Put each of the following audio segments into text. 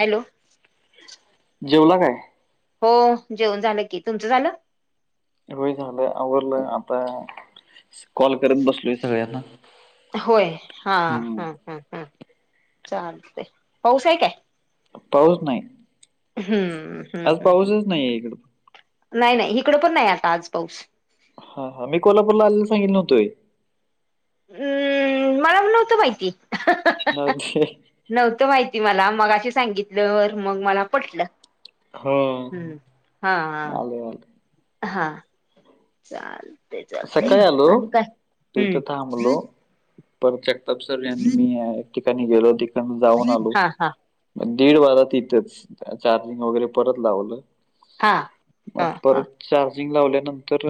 Hello जेवला काय? हो जेवन झालं की, तुमचं झालं? होय झालंय आवरलं, आता कॉल करत बसलोय सगळ्यांना. होय हा ह हम्म. हम हम चालतय, पाऊस आहे काय? पाऊस नाही. हम्म हम्म आज हम्म् पाऊसच नाही इकडं नाही नाही इकडं पण नाही आता आज पाऊस. हां मी कोल्हापुरला आलेला सांगितल नव्हतो होय. हम्म मला नव्हतं माहिती. न [unintelligible] नव्हतं माहिती मला मघाशी सांगितलंवर मग मला पटलं. हो हम्म हा आलो आलो हा हा चाल. सकाळी आलो ते हम्म तिथं थांबलो. पर जगताप सर यांनी मी एक ठिकाणी गेलो तिकन जाऊन आलो. हा हा मग दीड वाजला तिथंच, चार्जिंग वगैरे परत लावलं. हा मग हा हा परत चार्जिंग लावल्यानंतर.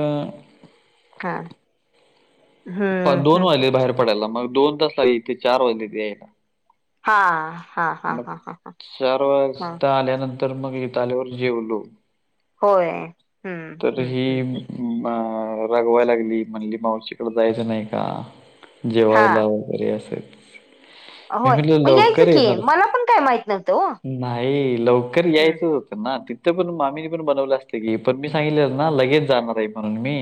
हा हम्म दोन हम् वाजले बाहेर पडायला मग दोन तास लागले इथे चार वाजले यायला. हा हा हा मग हा हा चार हा वाजता आल्यानंतर. तर मग इथ आल्यावर जेवलो होय हम्म तर हम्म हम्म हि. अ रागवाय लागली म्हणली, मावशीकडे जायचं नाही का हा जेवायला. रियासत [unintelligible] मी होय म्हटलं मग यायचं लवकर की येणार, मला पण काय माहित नव्हतं हो नाही लवकर हम्म यायचं होत. ना तिथं पण मामीनी पण बनवलं असते की, पण मी सांगितले ना लगेच जाणार आहे म्हणून मी.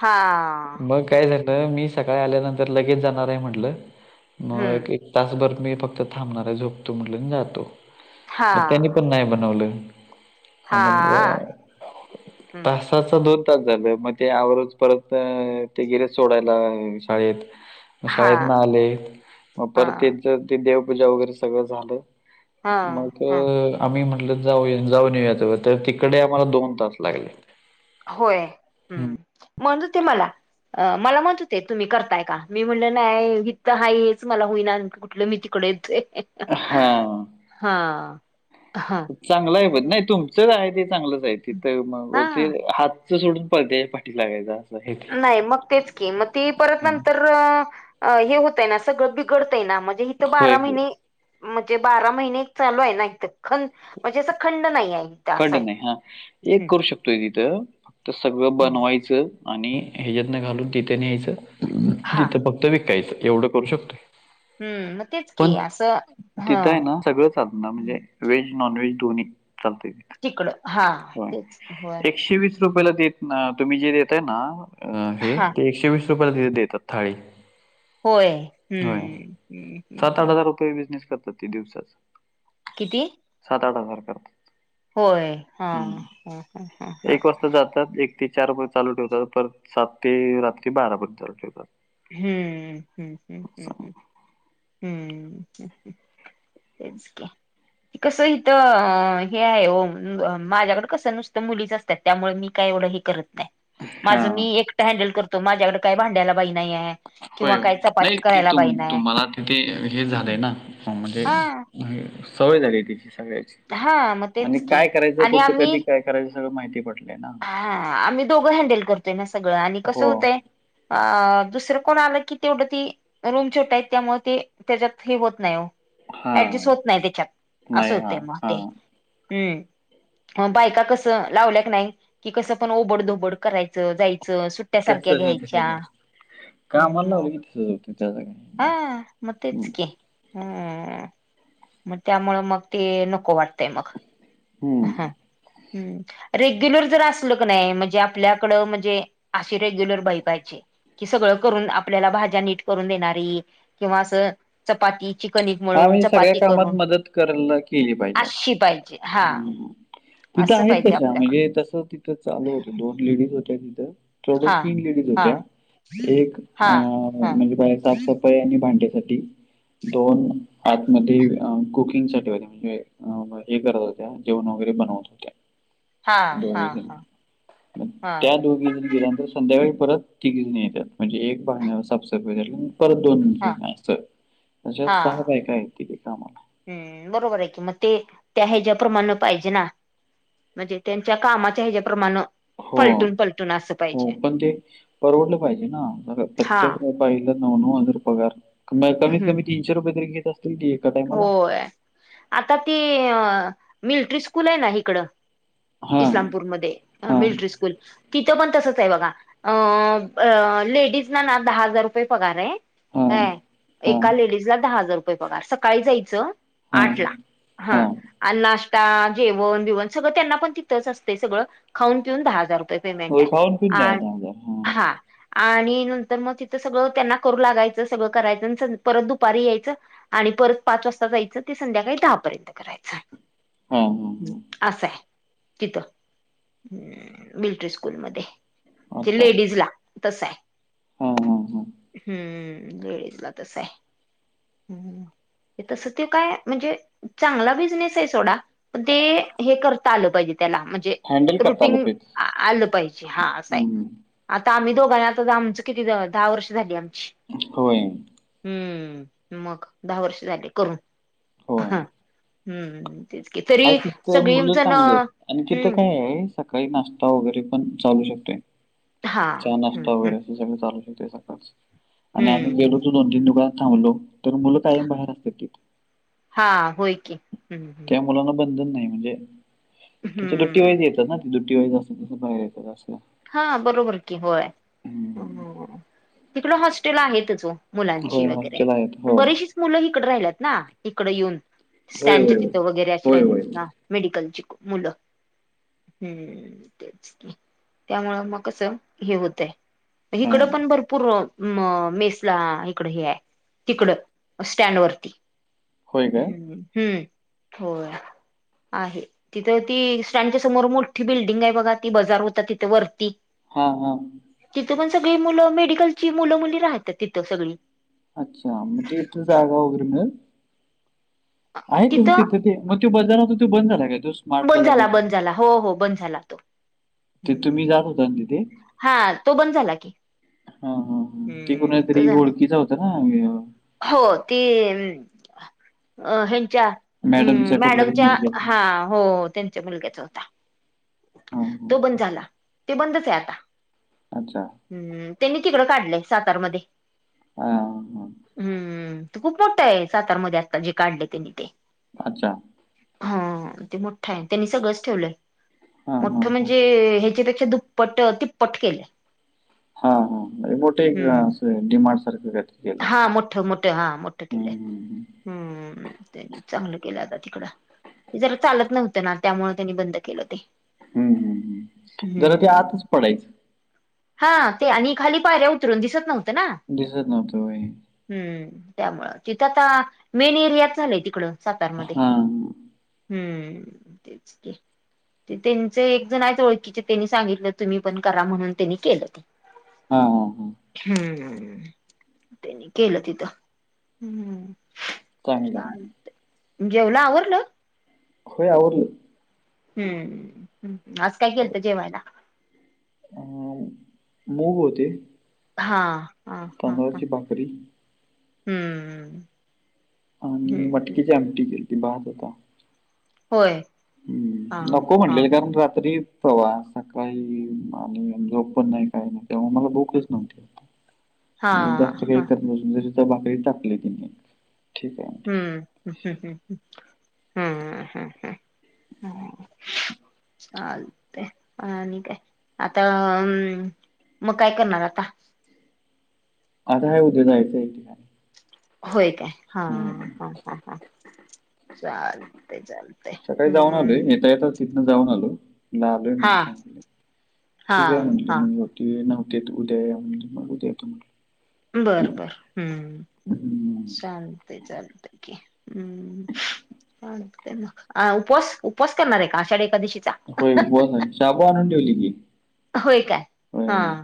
हा मग काय हम्म झालं मी सकाळी आल्यानंतर, लगेच जाणार आहे म्हटलं हम्म मग. तासभर मी फक्त थांबणार आहे, झोपतो म्हटलं जातो. हा मग त्यांनी पण नाही बनवलं. हा आग पा हम्म [inaudible] तास दोन तास झालं मग ते आवरज परंत. ते गेलेत सोडायला शाळेत हा शाळेत ना आले मग हा परत ते ज. देवपूजा वगैरे सगळं झालं हा मग. हा आम्ही म्हटलं जाऊ या जाऊन येयाच [unintelligible] वर तर तिकडे आम्हाला दोन तास लागले. होय, हम् हं. म्हणत होती मला.. अ मला म्हणत होते तुम्ही करताय का? मी म्हणलं नाही हित तर हाच मला होईना. कुठलं मी तिकडे येतोय. हा. हां. चांगलं आहे पण नाही तुमचंच आहे ते चांगलंच आहे तिथ मग हा ते हात, ते सोडून पळतेच्या पाठी लागायचा. नाही मग तेच की मग ती परत हं. नंतर प्र अं हे होतय ना. सगळं बिघडतय ना, म्हणजे इथ होय, बारा होय. महिने, म्हणजे बारा महिने चालू आहे ना इथ. खं- म्हणजे असं खंड नाही आहे. असं खंड आहे. नाही, हा. एक हम्म करू शकतोय तिथं, फक्त सगळं हम्म. बनवायचं आणि ह्याच्यातन घालून तिथे न्यायचं. हा तिथं फक्त विकायचं एवढं करू शकतोय. हम्म मग तेच पण की असं हा. तिथं आहे ना सगळं साधना हम्म म्हणजे वेज नॉन वेज दोन्ही चालतय ते. तिकडं, हा तेच कि. होय, हं. अ तुम्ही जे देतय ना हे हा ते एकशे वीस रुपयाला देतात थाळी. होय होय. हम्म हम्म हम्म सात -आठ हम्म. हजार रुपये बिजनेस करतात ते दिवसाचा. किती? सात -आठ हजार करतात. होय हा. हं हं हं हं. एक ते चार पर्यंत चालू ठेवतात. परत सात ते रात्री बारापर्यंत चालू ठेवतात. हं हं हं हं हं, हं हं हं हं हं. तेच की. [inaudible] कसं इथं अं हे आहे ओ. माझ्याकड कसं नुसतं मुलीच असतात. त्यामुळे मी काय एवढं हे करत नाही. माझं हां. मी एकटं हँडल करतो माझ्याकडे काय भांड्यायला बाई नाही आहे होय किंवा होय, काय नाही चपाती ति करायला तुम बाई नाही तुम्हाला तिथे हे हम्म. झालंय ना अं म्हणजे हा हं, सवय झाली तिची सगळ्याची. हा मग आणि तेच की काय करायचं, आणि कुठं, आम्ही कधी, काय करायच सगळं माहिती पडलं. हा. आम्ही दोघं हँडल करतोय ना सगळं. आणि हो. कसं होतंय अ. दुसरं कोण आलं की तेवढं ती रूम छोटा आहेत त्यामुळे ते त्याच्यात फ्री होत नाही. हां. ऍडजस्ट होत नाही त्याच्यात. असं नाही. होतय हां, म ते. हां. हं, म बायका कस लावल्याक नाही कि कस पण ओबड- धोबड करायचं, जायचं, सुट्ट्या सारख्या तसंच आहे, घ्यायच्या. तसंच आहे. हं कामाला लावलं मग. की तसंच होतं त्याचं काय हा मग तेच हं, की. हं, मग त्यामुळ मग ते नको वाटतंय मग. हं. रेग्युलर जर असल की नाही म्हणजे आपल्याकडं म्हणजे अशी रेग्युलर बाई पायजे. कि सगळं करून आपल्याला भाज्या नीट करून देणारी, किंवा असं चपाती चिकनिक हा मळून म्हणजे सगळ्या चपाती कामात करून मदत करला केली पाहिजे अशी पाहिजे हा असं. तिथं असं आहेत पाहिजे तशा, आपल्याकडं म्हणजे तस तिथं चालू होतं दोन लेडीज होत्या तिथं. तेवढं हा तीन लेडीज हा होत्या. एक अं हा हा म्हणजे बाहेर साफ-सफाई आणि भांड्यासाठी, दोन आतमध्ये कुकिंग साठी होत्या. म्हणजे अं हे करत होत्या, जेवण वगैरे बनवत होत्या. हा हा हा दोघीजणी, हा त्या दोघेजनी गेल्यानंतर संध्याकाळी परत तिघी जणी येतात. म्हणजे एक भांड, साफ -सफाई परत दोन हा जणी असतात. अशा हा सहा बायका आहेत तिथे कामला. हम्म. बरोबर आहे की म ते त्या ह्याच्या प्रमाणे पाहिजे ना म्हणजे त्यांच्या कामाच्या हेच्या प्रमाण हो हो पण ते परवडलं पाहिजे ना हा प्रत्येक जण बाईला नव नव हजार पगार, कमीत हम्म कमी तीनशे रुपय तरी घेत असतील ती ऐका टाई होय आता ती मिलटरी स्कूल हाय ना हीकडं हां, इस्लामपूर मध्ये हां, मिलट्री स्कूल तिथं पण तसच आहे बघा अं लेडीज ना ना दहा हजार रुपये पगार ये हां, काय, हां, एका लेडीजला दहा हजार रुपये पगार, सकाळी जायचं हां, आट ला हा हां. आणि नाश्ता, जेवण, बिवन सगळं त्यांना पण तिथंच असतय सगळं खाऊन पिऊन दहा हजार रुपये पेमेंट होय, आय. खाऊन-पिऊन द्यावा हां, आ हा. आणि नंतर म तिथं सगळं त्यांना करू लागायचं, सगळं करायचं, परत दुपारी यायचं आणि परत पाच वाजता जायचं ते संध्याकाळी दहापर्यंत करायचं. हां, हां, हां. आस हाय. तिथं, मिलटरी स्कूल मध्ये, म्हणजे अच्छा. लेडीज ला तस हाय. हां, हां, हां. हम्म लेडीज ला तस हाय हम्म. ते तसं ते काय म्हणजे चांगला बिझनेस आहे सोडा, पण ते हे करता आलं पाहिजे त्याला म्हणजे हँडल करता आलं रुटीन तेच. आलं पाहिजे हा असं हाय. हं, हं. आता आम्ही दोघांनी आता आमचं किती दहा वर्ष झाली आमची. होय. हम्म. मग दहा वर्ष झाली करून ह. हम्. आणि तिथं मुलं चांगली आहेत आणि तिथं हम्म काय ये काही नाश्ता वगैरे पण चालू शकतोय हा चहा हम्म नाश्ता वगैरे अस येन चालूच होतय सकाळ पासून, आणि आम्ही हम्म गेलो की दोन तीन दुकानात थांबलो तर मुलं कायम बाहेर असत्यात तिथं. हा होय की, हम्म हम्म. त्या मुलांना बंधन नाही म्हणजे त्याच्या दुटी हम्म वाईज येतात ना दुटी वाईज असल तसं बाहेर येतात असं. हां बरोबर कि होय हम्म तिकड हॉस्टेल आहेतच वो. मुलांची होय वगैरे हॉस्टेल आहेत हो. बरेचशीच मुलं हीकड राहिल्यात ना, हीकड येऊन होय स्टँडच्या होय होय तिथं वगैरे आशी होय होय राहिल्यात ना. मेडिकलची मुलं हूं तेच की. त्यामूळ म कसं हे होतय, हा. इकडं पण भरपूर म मेसला इकड हे हाय तिकड स्टँड वरती. होय काय हम्म हम्म होय. आहे तिथं ती स्टँडच्या समोर मोठी बिल्डिंग हाय बघा ती बजार होता तिथ वरती हां हां. तिथं पण सगळी मुलं मेडिकलची मुलं मुली राहतात तिथं सगळी. अच्छा म ते इथ जागा वगैरे मिळलं? आहे त तिथं ते म तो बजार आता बंद झालाय काय तोस बंद झाला बंद झाला हो हो बंद झाला तो. ते तुम्ही हम् जात होता ना तिथे हा तो बंद झाला कि. हा हा हा.. ते कोणाच्यातरी ओळखीचा होता ना हो.. ती.. अ ह्यांच्या हम्म.. मॅडमच्या कुठल्या तरी मॅडमच्या, मुलग्या हा हो.. त्यांच्या मुलग्याचा होता हा हा तो बंद झाला.. ते बंदच आहे आता अच्छा! ह्.. त्यांनी तिकडं काढलंय.. सातार मध्ये हा.. हम्म.. ते खूप मोठं आहे... सातारमध्ये आता जे काढले त्यांनी ते अच्छा! हा.. ते मोठा आहे.. त्यांनी सगळंच ठेवलंय.. हां, हां, मोठं, हां. म्हणजे ह्याच्यापेक्षा दुप्पट तिप्पट केलं.. हा हा.. लय मोठे अस डी मार्ट सारखं का? हा मोठ मोठ... हा मोठ केलं.. हं, हं. हम्म. त्यांनी चांगलं केल आता तिकड... जरा चालत नव्हतं ना त्यामूळ त्यांनी बंद केलं हो ते. हं, हं, हं. जरा ते हम्म. आतच पडायचं. हा.. ते आणि खाली पायऱ्या उतरून दिसत नव्हतं ना. दिसत नव्हत होय.. हम्म... त्यामूळ तिथं आता मेन एरियातच झालंय तिकड सातारमध्ये हां. हम्म.. तेच तेच.. त्यांच एक जण आहे ओळखीचे.. त्यांनी सांगितलं तुम्ही पण करा म्हणून त्यांनी केलं ते हा हा हा. हम्म. त्यांनी केलं तिथं.. हम्म.. चांगलं आहे. चालते. जेवला? आवरलं? होय आवरल. हम्.. आज काय केलं जेवायला? अ मूग होते. हा हा हा हा तांदळाची भाकरी हम्म. आणि हम्म हम्म मटकीची आमटी केली ती... भात होता. होय. हा हम्म.. नको हा म्हटलेलं.. कारण रात्री- परवा सकाळी.. आणि जॉब पण नाही.. काही नाही.. त्यामुळं मला भूकच नव्हती हा म्हणजे, जास्त काय हा करत बसू नको... तर भाकरी टाकली तिने.. ठीक आहे. म्हटलं, हम्म हम् हम् हम् हम् हम ह. हम्म. चालतंय.. आणि काय? आता म- मग काय करणार आता? आता काय उद्या जायचं आहे.. एके ठिकाणी होय काय? हा हम्म. ह ह ह.. चालतंय चाल सकाळी जाऊन आलोय.. येता येत तिथनं जाऊन आलो आलोय हा म्हणून सांगितलं.. हा ठीक आहे म्हटले... हा मग बघ- ती नव्हते.. उद्या या म्हणले.. मग उद्या येतो म्हटलं बर बर.. हम्म.. हम्म. चालतंय चालत. हम्.. चालतंय मग आ उपस उपवास करणार आहे का आषाढी एकादशीचा? हो.. उपवास आहे.. शाबू आनून ठेवली की होय काय होय हा होय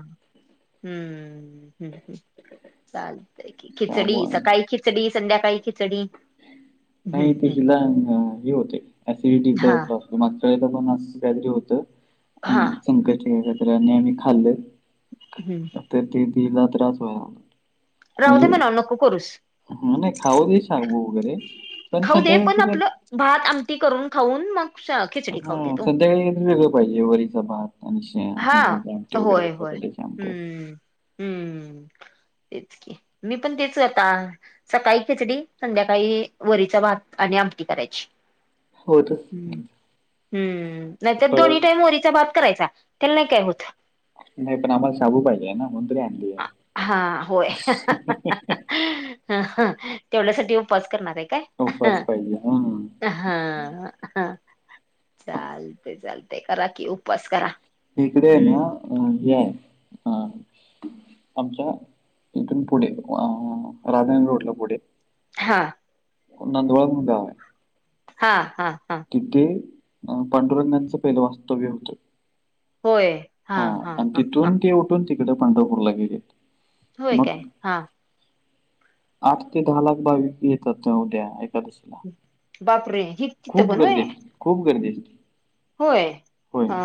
हम्म. चालतकी शाबू खिचडी आणून ठेवली. सकाळी खिचडी संध्याकाळी खिचडी. हम्म नाय ते हम्म हिला हे होते ऍसिडिटी चा हा त्रास. मागच्या वेळेला पण असच काय तरी होत. हा संकष्टी आणि काय तरी आम्ही खाल्ल. हम्म. तर ते तीला त्रास व्हाय लागला. राहूदे म्हणाव नको करूस. हम्म, नाय खाऊ दे शाबू वगैरे पण खाऊ दे संध्याकाळच पण तर आपलं भात आमटी करून खाऊन मग श हम्म, संध्याकाळी कायतरी वेगळ पाहिजे वारीचा भात आणि हा शेंगदाण्याचे आमटे वगैरे होय होय बटाट्याचे आमटे असं. हम्म. हम्म [inaudible] तेच की, मी पण तेच आता सकाळी खिचडी संध्याकाळी वरीचा भात आणि आमटी करायची. हो तर हम् हम्म, नायतर फळ दोन्ही टाईम वरीचा भात करायचा. त्याला नाय काय होत. नाय पण आम्हाला शाबु पाहिजे आय ना म्हणून तर हा होय. तेवढ्यासाठी उपवास करणार आय काय? उपवास पाहिजे हम्म. हा चालतंय चालतंय करा कि उपवास करा. इकडे ए ना हम्म अ हे हाय आमच्या इथून पुढे [inaudible] रोडला पुढे हा. नांदवळ म्हणून गाव आय. हा हा हा. तिथे पांडुरंगांचं पहिलं वास्तव्य होतं. होय हा आणि हा हा तिथून ते उठून तिकडे पंढरपूरला गेलेत. होय काय? हा. आठ ते दहा लाख भाविक येतात त्या उद्या एखादशी बापरे हि तीत पण गर्दी होय? असते खूप गर्दी असती. होय हा.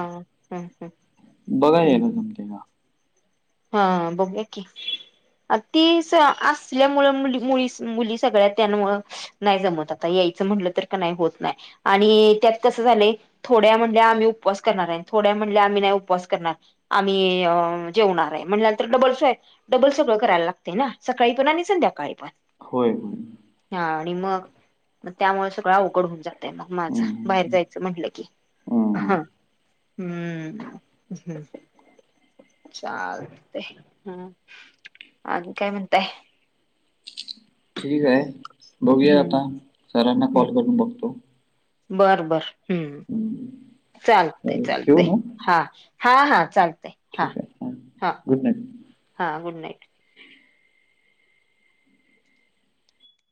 बघा याला जमतंय हा बघूया की. आ तीस असल्या मूळ मुली मुली सगळ्या त्यानं मूळ नाय जमत आता यायचं म्हटलं तर क नाय होत नाय आणि त्यात कसं झालंय थोड्या म्हणल्या आम्ही उपवास करणार आय थोड्या म्हणल्या आम्ही नाय उपवास करणार आम्ही जेवणार. म्हणल्यानंतर डबल डबल सगळं करायला लागतय ना सकाळी पण आणि संध्याकाळी पण. होय होय. हा आणि मग म त्यामुळ सगळ अवघड होऊन जा तय मग माझं बाहेर हम्म जायचं म्हटलं की हम्म, हम्म. हा. हम्म. चालतंय हम्, आणि काय म्हणताय? ठीक आहे, बघूया हम्म आता सरांना हम्म कॉल करून बघतो. बर बर हम्म चालते चालेल ठेवू चालते. मग हा हा हा चालतय हा ठीक आहे हां हा गुड नाईट. हा गुड नाईट.